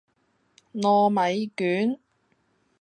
糯米卷